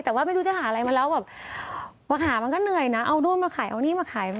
แต่ว่าไม่รู้จะหาอะไรมาแล้วแบบมาหามันก็เหนื่อยนะเอานู่นมาขายเอานี่มาขาย